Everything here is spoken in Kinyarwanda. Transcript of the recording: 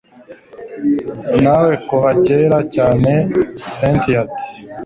nawe kuva kera cyane cyntia ati